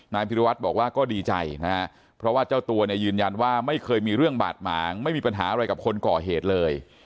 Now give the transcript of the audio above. พิรวัตรบอกว่าก็ดีใจนะฮะเพราะว่าเจ้าตัวเนี่ยยืนยันว่าไม่เคยมีเรื่องบาดหมางไม่มีปัญหาอะไรกับคนก่อเหตุเลย